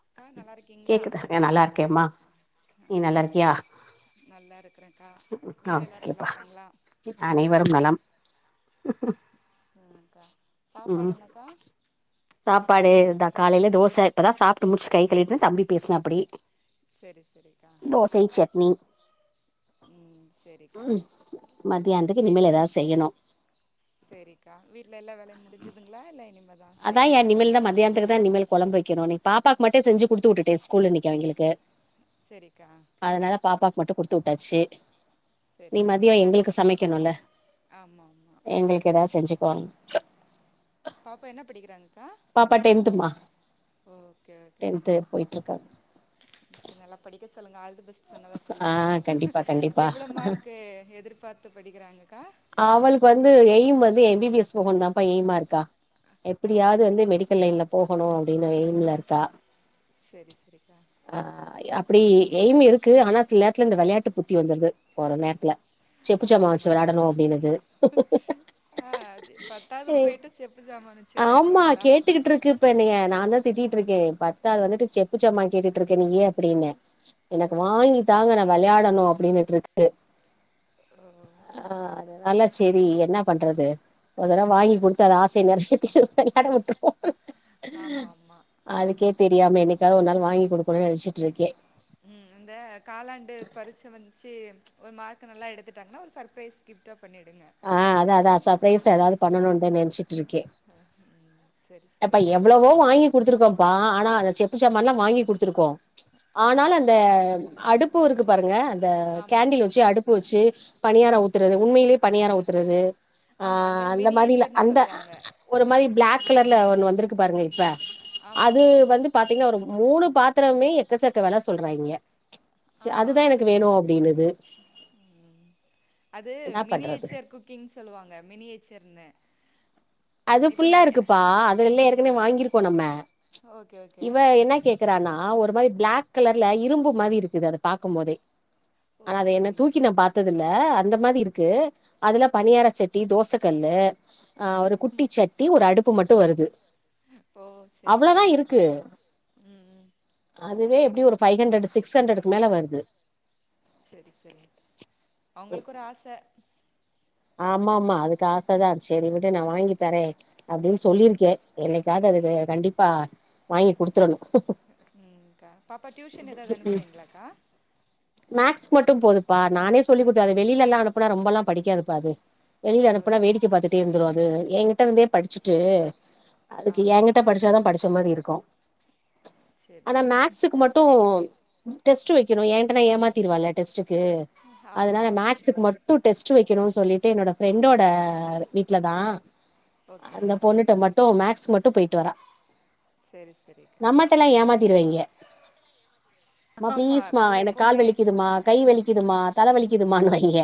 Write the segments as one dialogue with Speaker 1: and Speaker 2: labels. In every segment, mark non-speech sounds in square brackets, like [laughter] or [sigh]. Speaker 1: அக்கா நல்லா இருக்கீங்களா நல்லா இருக்கறேன்
Speaker 2: ஓகேப்பா அனைவரும் நலம் உம் சாப்பாடு தான் காலையில தோசை இப்பதான் சாப்புட்டு முடிச்சு கை கழுவிட்டுன் தம்பி பேசனான் அப்படி
Speaker 1: செரி செரிக்கா
Speaker 2: உம் மத்தியானத்துக்கு இனிமேல் எதாவது செய்யணும்
Speaker 1: ட்ல எல்லா வேலை முடிஞ்துங்களா இல்ல இனிமேல்
Speaker 2: அதான் என் நிமேல் தான் மத்தாயனத்துக்கு தான் நிம்மேல்குழம்பு வைக்கனோம் ன்னு நீ பாப்பாக்கு மட்டு செஞ்சு குடுத்துவுட்டுட்டு ஸ்கூல் இன்னைக்கு அவிங்களுக்கு அதனால பாப்பாக்கு மட்டு குடு தொட்டாச்சி நீ மதிய எங்களுக்கு சமைக்கணுல எங்களுக்கு ஏதாவது செஞ்சு போ
Speaker 1: பாப்பா என்ன படிக்கிறாங்க
Speaker 2: பாப்பா டென்துமா டென்து போயிற்றுக்கா ஆ கண்டிப்பா கண்டிப்பா அவளுக்கு வந்து எய்ம் வந்து எம் பி பி எஸ் போகனு தா பையமா இருக்கா எப்படியாவது வந்து மெடிக்கல் லைன்ல போகணு அப்படின்னு எய்ம்ல இருக்கா அ அப்படி எய்ம் இருக் க்கு ஆனா சில நேரத்துல இந்த விளையாட்டு புத்தி வந்துருது ஒரு நேரத்துல
Speaker 1: ஆமாமா ஆ அ பத்தாவது போயிட்டு செப்புச்சாமனு
Speaker 2: ஆமா கேட்டுகிற்கு இப்ப என்னைய நா தா திட்டிட்டு இருக்கே பத்தாவது வந்துட்டு செப்புச்சமா கேட்டுட்டு இருக்கே நீயு அப்படின்ன எனக்கு வாங்கி தாங்க நா வெளையாடணு அப்படின் ற்று இருக்கு ஆ அத அலஸ் செரி என்ன பண்றது ஒரு தடவ வாங்கி குடுத்து அது ஆச வெளையாட விட்டுருவோ அதுக்கே தெரியாம என்னிக்காது ஒரு நாள் வாங்கி குடுக்கணு நெனச்சிட் இருக்கு
Speaker 1: ஒரு மார்க் நல்லா எடுத்துட்டாங்கனா ஒரு சர்ப்ரைஸ் கிப்டா
Speaker 2: ஆ அதா அதா சப்ரைசா ஏதாது பண்ணணுன் தா நெனச்சி ட்ருக்கே அப்ப எவ்வளவோ வாங்கி குடுத்துருக்கோம்ப்பா ஆனா அத செப் புஜாமான்லா வாங்கி குடுத்துருக்கோ ஆனாலு அந்த அடுப் ப்பு இருக்கு பாருங்க அந்த கேண்டில் வச்சு அடுப்பு வச்சு பணியாரோ ஊ த்துறது உண்மையிலே பணியாரோ ஊத்துறது ஆ அந்த மாரிலா அந்த அ ஒரு மாரி ப்ளக் கலர் ஒன்னு வந்துருக்கு பாருங்களே இப்ப அது வந்து பாத்தீங்கனா ஒரு மூணு பாத் த்ரமே எக்க சக்க வல சொல்றாய்ங்க
Speaker 1: ஆமா அது ம் மினி ஏச்சர் குக்கிங் சொல்லுவாங்க மினி ஏச்சர்னு
Speaker 2: அது ஃபுல்லா இருக்குப்பா அது எல்லா ஏற்கனே வாங்கிருக்கோ நம்ம இவ என்ன கேக்குறானா ஒரு மாரி ப்ளக் கலர்ல இரும்பு மாதி இருக்குது அத பாக்கும் போதே ஆனா அத என்ன தூக்கி நா பாத்தது இல்ல அந்த மாதி இருக் கு அதுல பனியார சட்டி தோசை கல்லு ஆ ஒரு குட்டி சட்டி ஒரு அடுப்பு மட்டு வருது அவ்ள தா இருக்கு அதுவே எப்டி ஒரு ஃபைவ் ஹன்ரட் சிக்ஸ் ஹண்ட்ரட்க்கு மேல வருது
Speaker 1: செரி செரி அவங்களுக்கு ஒரு ஆச
Speaker 2: ஆமா ஆமா அதுக்கு ஆச தா சேரி விடு நா வாங்கி தரே அப்டின் சொல்லிருக்கே என்னிக்காது அதுக கண்டிப்பா வாங்கி குடுத்துறணு
Speaker 1: ம் கா பாப்பா டியூஷன் ஏதாது அனுப்புறீங்களாக்கா
Speaker 2: மக்ஸ் மட்டு போதுப்பா நானே சொல்லி குடுத்த அது வெளிலல்லா அனுப்புனா ரொம்பல்லா படிக்காது பா அது வெளில அனுப்புனா வேடிக்க பாத்துட்டே இருந்துரு அது எ கி ட்ட இருந்தே படிச்சுட்டு அதுக்கு எகிட்ட படிச்சாதா படிச்ச மாதி இருக்கு ஆனா மேக்சுக்கு மட்டு டெஸ்ட்டு வைக்கணு ஏ ஏமாத்திடுவ டெஸ்டுக்கு அதனால மேக்ஸுக்கு மட்டும் டெஸ்ட் வைக்க ணும்னு சொல்லிட்டு என்னோட ஃப்ரெண்டோட வீட்டுல தான் அந்த பொண்ணுட்ட மட்டும் மேக்ஸ் போயிட்டு வர நம்மட்ட எல்லாம் ஏமாத்திருவங்க மா பிளீஸ்மா எனக்கு கால் வலிக்குதுமா கை வலிக்குதுமா தலை வலிக்குதுமனு வங்க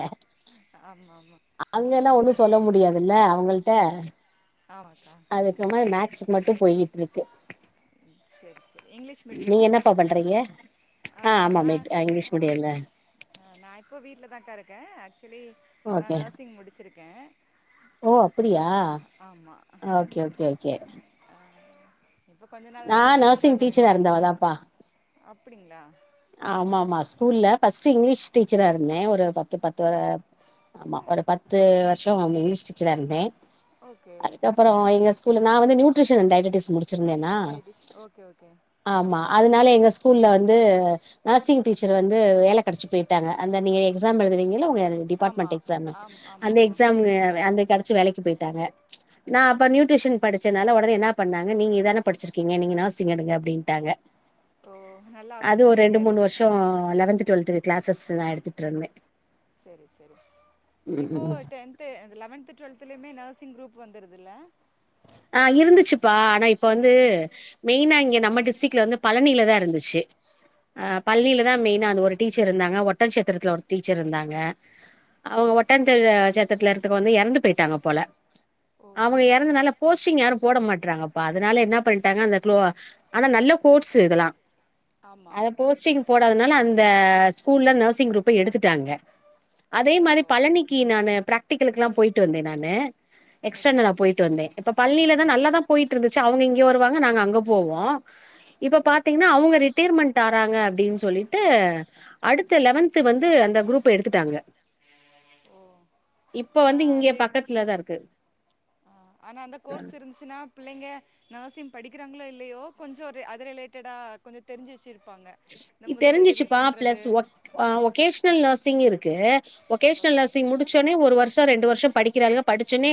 Speaker 2: அங்கன்னா ஒண்ணும் சொல்ல முடியாதுல்ல அவங்கள்ட அதுக்கு மா மேக்ஸ் மட்டும் போயிட்டு இருக்கு
Speaker 1: ம் செரி செரி இங்கிலீஷ் மீடியம் அ நான் நான் எப்போ வீட்டில தாக்கா இருக்கேன் ஆக் சுவலி நான் நர்சிங் முடிச்சிருக்கேன்
Speaker 2: ஓ அப்படியா ஓகே ஓகே ஓகே நான் நர்சிங் டீச்சரா இருந்தவ தான்ப்பா
Speaker 1: அப்படிங்களா
Speaker 2: ஆமா ஆமா ஸ்கூல்ல ஃபர்ஸ்ட்ட் இங்கிலீஷ் டீச்சரா இருந்தேன் ஒரு பத்து பத்து ஆமா ஒரு பத்து வருஷம் இங்கிலீஷ் டீச்சரா இருந்தேன் அதுக்கப்புறம் இங்க நா வந்து நியூட்ரிஷியன் அண்ட் டயடீஸ் முடிச்சிருக்கேன் வச்சிருந்தேனா ஆமா அதனால எங்க ஸ்கூல்ல வந்து நர்சிங் டீச்சர் வந்து வேல கிடைச்சு போயிட்டாங்க அந்த நீங்க எக்ஸாம் எழுதுவீங்கள உங்க டிபார்ட்மெண்டட் எக்ஸாம் அந்த எக்ஸாம் அந்த கெடச்சி வேலைக்கு போயிட்டு அப்ப நியூடஷன் படிச்சதால உடனே என்ன பண்ணாங்க நீங்க இதானே படிச்சிருக்கீங்க நீங்க நர்சிங் எடுக அப்படின்டாங்க
Speaker 1: ஓ நல்ல ஆப்பர்ச்சுனிட்டி
Speaker 2: ரெண்டு மூணு வருஷம் லெவன்த் டுவெல்த் டிரஸ் நா எடுத்துட்டு இருந்த
Speaker 1: சரி சரி இப்போ டென்து லெவன்து டுவெல்தலயுே நர்ஸ் குரூப் வந்துருது இல்ல
Speaker 2: ஆஹ் இருந்துச்சுப்பா ஆனா இப்ப வந்து மெயினா இங்க நம்ம டிஸ்ட்ரிக்ட்ல வந்து பழனியிலதா இருந்துச்சு ஆஹ் பள்ளியிலதா மெயின்னா ஒரு டீச்சர் இருந்தாங்க ஒட்டன்சத்திரத்துல ஒரு டீச்சர் இருந்தாங்க அவங்க ஒட்டன்சத்தத்துல இப்ப வந்து இறந்து போயிட்டாங்க போல அவங்க இறந்தனால போஸ்டிங் யாரும் போட மாட்டறாங்கப்பா அதனால என்ன பண்ணிட்டாங்க அந்த ஆனா நல்ல கோர்ஸ் இதெல்லாம் அத போஸ்ட்டிங் போடாதனால அந்த ஸ்கூல்ல நர்சிங் குரூப்ப எடுத்துட்டாங்க அதே மாரி பழனிக்கு நானு பிர குட்டிகளுக்கு எல்லா போயிட்டு வந்தேன் நானு எக்ஸ்டன்டா நா போயிட்டு வந்தேன் இப்ப பள்ளில தா நல்லாதா போயிட்டு இருந்துச்சு அவுங்க இங்க வருவாங்க நாங்க அங்க போவோம் இப்ப பாத்தீங்கனா அவுங்க ரிட்டர்மெண்ட் ஆறாங்க அப்டினு சொல்லிட்டு அடுத்த லெவன்த் வந்து அந்த குரூப்ப எடுத்துட்டாங்க இப்ப வந்து இங்க பக்கத்துல தா இருக்கு
Speaker 1: ஆ ஆனா அந்த கோர்ஸ் இருந்துச்சுனா பிள்ளைங்க நர்சிங் படிக்கிறாங்களோ இல்லையோ கொஞ்ஜோ அது ரிலேட்டடா கொஞ்ஜோ தெரிஞ்சு வச்சிரு
Speaker 2: தெரிஞ்சிச்சுப்பா பிளஸ் ஒகேஷ்னல் நர்சிங் இருக்கு ஒகேஷ்னல் நர்சிங் முடிச்சோனே ஒரு வருஷோ ரெண்டு வருஷோ படிக்கிறாளுங்க படிச்சோனே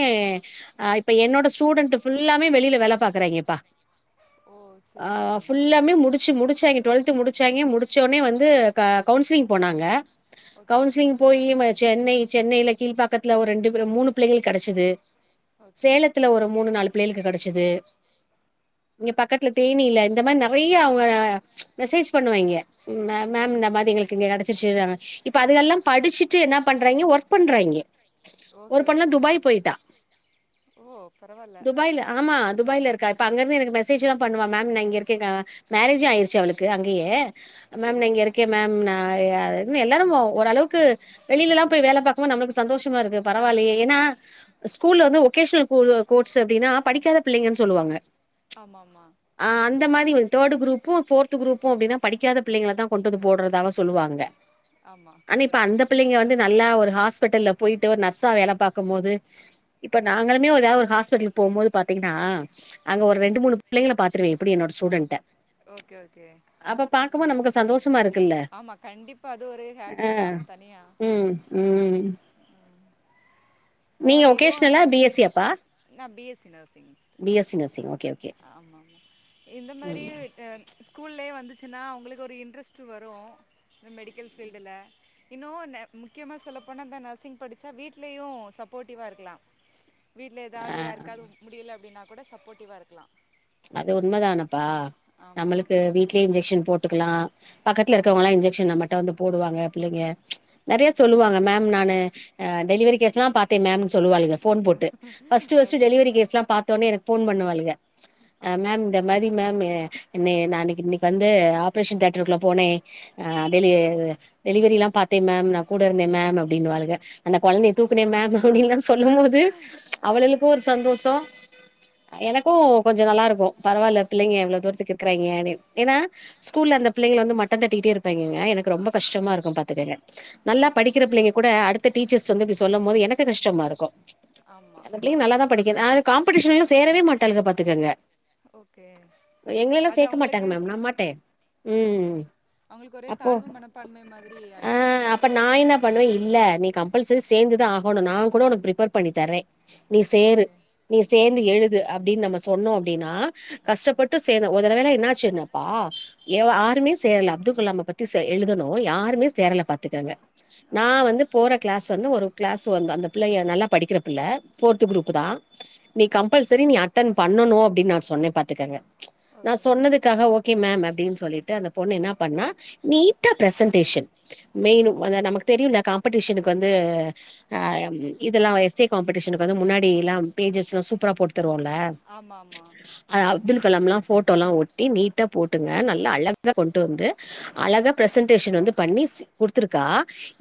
Speaker 2: ஆ இப்ப என்னோட ஸ்டூடென்ட் ஃபுல்லாமே வெளில வேல பாக்குறாங்கப்பா ஆ ஃபுல்லாமே முடிச்சு முடிச்சாய்ங்க டுவெல்த் முடிச்சாய்ங்க முடிச்சோனே வந்து க கவுன்சிலிங் போனாங்க கவுன்சிலிங் போயி ம சென்னை சென்னையில கீல்பாக் பக்கத்துல ஒரு ரெண்டு மூணு பிள்ளைகளுக்கு கெடச்சது சேலத்துல ஒரு மூணு நாலு பிள்ளைகளுக்கு கெடச்சது இங்க பக்கத்துல தேனீல இந்த மாரி நெறையா அவுங்க ச் மெசேஜ் பண்ணுவாய்ங்க மேம் மேம் இந்த மாரி எங்களுக்கு இங்க கெடச்சுருச்சு நாங்க இப்ப அதுகெல்லாம் படிச்சுட்டு என்ன பண்றாய்ங்க ஒர்க் பண்றாய்ங்க ஒரு பொண்ண துபாய் போயிட்டா துபாய்ல ஆமா துபாய்ல இருக்கா இப்ப அங்கிருந்து எனக்கு மெசேஜ்லாம் பண்ணுவா மேம் நா இங்க இருக்கே க மேரேஜே ஆயிருச்சு அவளுக் கு அங்கேயே மேம் நா இங்க இருக்கேன் மேம் நா யா எல்லாரும் ஓரளவுக்கு வெளிலலா போய் வேல பாக்கும் போது நம்முளுக்கு சந்தோஷம் ஷமா இருக்கு பரவாயில்லயே‌ ஏனா ஸ்கூல்ல வந்து ஒகேஷ்னல் கோரு கோர்சு அப்டினா படிக்காத பிள்ளைங்கனு சொல்லுவாங்க
Speaker 1: ஆமாமா
Speaker 2: இந்த மாரி ஒரு தேர்டு குரூப்பும் ஃபோர்த் த்து குரூப்பும் அப்டினா படிக்காத பிள்ளைங்கள‌ தா கொண்டு வந்து போடுறதாக சொல்லுவாங்க ஆனா இப்ப அந்த பிள்ளைங்க வந் வந்து நல்லா ஒரு ஹாஸ்பிட்டல்ல போயிட்டு ஒரு நர்ஸ்ஸா வேல பாக்கும் போது இப்ப நாங்களுமே எதாவது ஒரு ஹாஸ்பிட்டலுக்கு போம் போது பாத்தீங்கனா அங்க ஒரு ரெண்டு மூணு பிள்ளைங்கள பாத் றுவே எப்டி என்னோட ஸ்டூடண்ட
Speaker 1: ஓக்
Speaker 2: அப்ப பாக்கோமோ நமக்கு சந்தோஷமா இருக்
Speaker 1: ஆமா கண்டிப்பா அது ஒரு ஹேப்பி தா தனியா ம் பரவால எதோ நா பி எஸ் நர்சிங் சிஸ்டர் ஆமா இந்த மாதிரியு ஆஹ் ச் ஸ்கூல்லயே வந்துச்சுன்னா அவுங்களுக் ஒரு இன்ட்ரெஸ்ட் வரு மெடிக்கல் ஃபீல்டுல இன்னு ன முக்கியமா சொல்லப்போன இந்த நர்சிங் படிச்சா வீட்லயு சப்போர்டிவா இருக்கலா வீட்ல ஏதாது யாருக்காவது முடில அப்டின்னா கூட சப்போர்டிவா இருக்கலா
Speaker 2: அது உண்மைதானப்பா நம்மளுக்கு வீட்லயே இன்ஜெக்சன் போட்டுக்கலா பக்கத்ல இருக்கறவங்கல்லா இன்செக்சன்னா மட்டு வந்து போடுவாங்க பிள்ளைங்க ச் நெறைய சொல்லுவாங்க மேம் நானு டெலிவரி கேஸ்ல்லா பாத்தே மேம் சொல்லுவாளுங்க ஃபோன் போட்டு ஃபஸ்ட்டு ஃபஸ்டு டெலிவரி கேஸ்லா பாத்தோனே எனக்கு ஃபோன் பண்ணுவாளுங்க அ மேம் இந்த மாரி மேம் எ என்னய அனைக்கு இன்னைக்கு வந்து ஆப்ரேஷன் தேட்ருக்குலா போனே அ டெலிவேர் டெலிவரிலா பாத்தே மேம் கூட இருந்தே மேம் அப்படின்னுவாளுக அந்த கொழந்தைய தூக்குனே மேம் அப்டின்லா சொல்லும் போது அவளுகளுக் ஒரு சந்தோசோ எனக்கு கொஞ்சோ நல்லாருக் பரவால்ல பிள்ளைங்க எவ்ளோ தூரத்துக்கு இருக்ராங்கனு ஏனா ஸ்கூல்ல அந்த பிள்ளைங்கள வந்து மட்டந்தட்டிட்டே இருப்பாய்ங்க இவெங்க எனக்கு ரொம்ப கஷ்டமா இருக்கு பாத்துக்கங்க நல்லா படிக்கிற பிள்ளைங்க கூட அடுத்த டீச்சர்ஸ் வந்து இப்டி சொல்லம் போது எனக்கு கஷ்டமாருக்கு அந்த பிள்ளயு நல்லாதா படிக் எதாது காம் ம்படிசன்லைலே சேரவே மாட்டாளுங்க பாத்துக்கங்க எங்கலல்லா சேக்க மாட்டாங்க மேம் நா மாட்டே ம் அப்போ ஆ அப்ப நா என்ன பண்ணுவே இல்ல நீ கம் ஃபல்ஸரி சேந்துதா ஆகோனு நா கூட ஒனக் ஃபிரிஃப்பேர் பண்ணி தர்றே நீ சேரு நீ சேந் எழுது அப்டினு நம்ம சொன்னோ அப்டின்னா கஷ்டப்பட்டு சேர்தா ஒரு தடவேல என்னாச்சுனாப்பா எ ஆருமே சேர்ல அப்துல் கலாம் பத்தி செ எழுதணு யாருமே சேரல பாத்துக்கங்க நா வந்து போற கிளாஸ் வந்து ஒரு கிளாஸ் வந்து அந்த பிள்ளைைய நல்லா படிக்கிற பிள்ள ஃபோர்த் குரூப்தா நீ கம்பல்சரி நீ அட்டன் பண்ணணு அப்டினு நா சொல் பாத்துக்கங்க நா சொன்னதுக்காக ஓகே மேம் அப்டின் சொல்லி டு அந்த பொண்ணு என்ன பண்ணா நீட்டா பிரசன்ட் டேஷன் மெயின் வந்த நமக்கு தெரியுல்ல காம்படிஷனுக்கு வந்து அம் இதெல்லா எஸ் ஏ காம்படிஷன்க்காக முன்னாடிலா பேஜஸ்லா சூப்பரா போட் தருவோல்ல அப்துகலாம்லாம் ஃபோட்டோலா ஒட்டி நீட்டா போட்டுங்க நல்லா அழக கொண்டு வந்து அழகா ப்ரசென்டேஷன் வந்து பண்ணி ச் குடுத்துருக்கா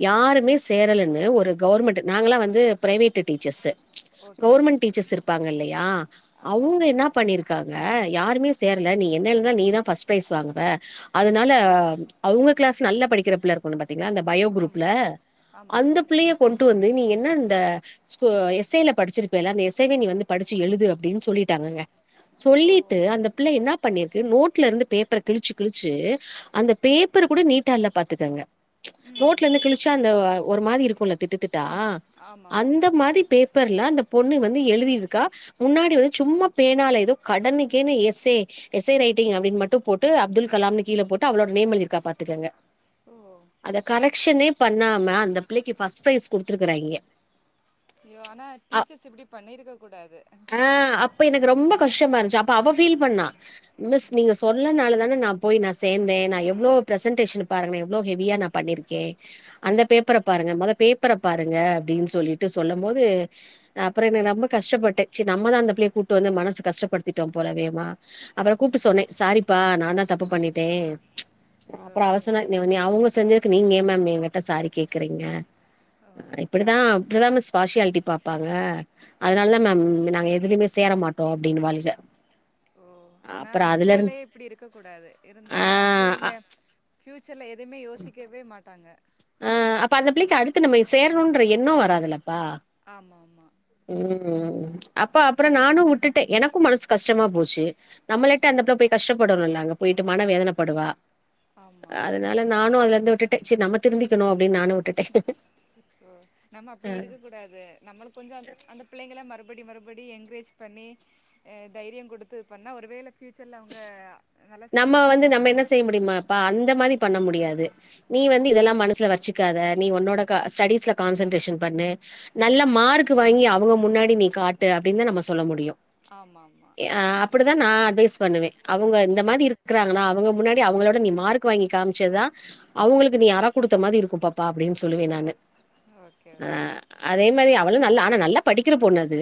Speaker 2: யாருமே சேரலன்னு ஒரு கவர்மெண்ட் நாங்கலா வந்து ஃபிரைவேட்டு டீச்சர்ஸ் கவர்மெண்ட் டீச்சர்ஸ் இருப்பாங்கல்லையா அவுங்க என்னா பண்ணிருக் அ யாருமே சேரல நீ என்ன இருந்தாலு நீதா ஃபஸ்ட் ஃப்ரைஸ் வாங்குவ அதனால அவங்க கிளாஸ் நல்ல படிக்கிற புள்ள இருக்குன் பாத் தீங்களா அந்த பயோ குரூப்ல அந்த பிள்ளைய கொண்டு வந்து நீ என் ன இந்த ஸ்போ எஸ்ஐல படிச்சிருப்பல்ல அந்த எஸ்ஐவே நீ வந்து படிச்சு எழுது அப்டின்னு சொல்லிட்டாங்கங்க சொல்லிட்டு அந்த பிள்ள என்ன பண்ணிருக் நோட்ல இருந்து பேப்பர கிழிச்சு கிழிச்சு அந்த பேப்பர் கூட நீட்டால பாத்துக்காங்க நோட்ல இருந்து கிழிச்சா அந்த ஒரு மாரி இருக்கும்ல திட்டு திட்டா அந்த மாரி பேப்பர்ல அந்த பொண்ணு வந்து எழுதி கங்கா முன்னாடி வந்து சும்மா பேர் முன்னாலே ஏதோ கடனுக்கே எஸ்ஏ எஸ்ஏ ரயிட்டிங் அப்டின்னு மட்டும் போட்டு அப்துல் கலாம் கீழே போட்டு அவளோட நேம் எழுதிருக்கா பாத்துக்கங்க அது கான ஷனே பண்ணாம அந்த பிள்ளைக்கு பர்ஸ்ட் ஃபைரைஸ் கொடுத்துருக்கறாங்க
Speaker 1: ஐயோ ஆனா டீச்சர்ஸ் இப்டி பண்ணிருக்க கூடாது
Speaker 2: ரொம்ப கஷ்டமா இருந்துச்சு அப்ப அவ ஃபீல் பண்ணா மிஸ் நீங்க சொல்லனால தானே நான் போய் நான் சேர்ந்தேன் நான் எவ்ளோ பிரசன்டேஷன் பாருங்க எவ்ளோ ஹெவியா நான் பண்ணிருக்கேன் அந்த பேப்பர பாருங்க மொத பேப்பர பாருங்க அப்டின்னு சொல்லிட்டு சொல்லும் போது அப்பறம் நா ரொம்ப கஷ்டப்பட்டே சரி நம்பதா அந்த பிள்ளய கூப் கூப்படு வந்து மனசு கஷ்டப்படுத்திட்டோ போலவேமா அப்புற கூப்டு சொன்னே சாரிப்பா நாதான் தப்பு பண்ணிட்டே அப்பற அவ சொன்னா நீ வந் அவுங்க கூ செஞ்சதுக்கு நீங்க ஏ மேம் சாரி கேக்கறீங்க இப்டிதா இப்டிதா மிஸ் ஃபாஸ்யாலட்டி பாப்பாங்க அதனால தான் நாங்க எதுலயுமே சே சேர மாட்டோ அப்டீன்னு வாழ்க
Speaker 1: ஆனா ஸ்கூல்லயே இப்டி இருக்கக்க கூடாது இருந்துச்சுன்னா பிள்ளைங்க ஃப்யூச்சர்ல எதுவுமே யோசிக்கவே மாட்டாங்க
Speaker 2: ஆ அப்ப அந்த பிள்ளைக்கு அடுத்து நம்ம சேரணும்ன்ற எண்ண வராதுலப்பா ம் ம் அப்ப அப்புறம் நானு விட்டுடே எனக்கு மனசு கஷ்டமா போச்சு நம்மகிட்ட அந்த பிள்ள போய் கஷ்டப்படணும்ல அங்க போயிட்டு மன வேதனைப்படுவா அதனால நானு அதுல இருந்து விட் [unintelligible] நமக்கு [unintelligible]
Speaker 1: ஓ நம்ம அப்படி இருக்க கூடாது நம்ம கொஞ்சம் அந்த பிள்ளைங்கலாஅ மறுப மறுபடி மறுபடி என்கரேஜ் பண்ணி தைரியம் கொடுத்து பண்ணா ஒருவேளை
Speaker 2: நம்ம வந்து நம்ம என்ன செய்ய முடியுமாப்பா அந்த மாரி பண்ண முடியாது நீ வந்து இதெல்லாம் மனசுல வச்சுக்காத நீ உன்னோட க ஸ்டிஸ்ல கான்சன்ரேஷன் பண்ணு நல்ல மார்க் வாங்கி அவுங்க முன்னாடி நீ காட்டு அப்டின்னு தா நம்ம சொல்ல முடியும் ஹ அப்படிதான் நான் பண்ணுவேன் அவுங்க இந்த மாரி இருக்கிறாங்கன்னா அவுங்க முன்னாடி அவுங்களோட நீ மார்க் வாங்கி காமிச்சதான் அவுங்களுக்கு நீ அரை கொடுத்த மாரி இருக்கும் பாப்பா அப்டின்னு சொல்லுவேன் நானு ஆ அதே மாரி அவ்ளோ நல்லா ஆனா நல்லா படிக்கிற பொண்ணு அது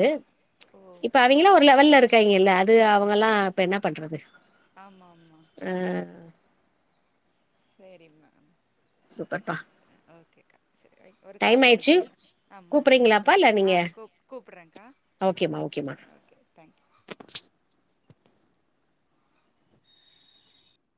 Speaker 2: இப்ப அவங்களாம் ஒரு லெவல்ல இருக்காங்கல்ல அது அவ [unintelligible] இப்ப என்ன பண்றது
Speaker 1: ஆமா ஆமா சரிம்மா ஒரு கால் வருது ஆமா கூப் கூப்பிடுகிறேன்கா தேங்கூயு